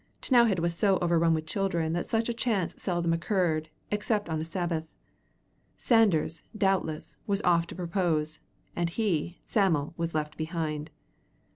T'nowhead was so overrun with children that such a chance seldom occurred, except on a Sabbath. Sanders, doubtless, was off to propose, and he, Sam'l, was left behind.